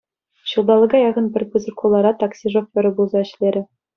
Ҫулталӑка яхӑн пӗр пысӑк хулара такси шоферӗ пулса ӗҫлерӗ.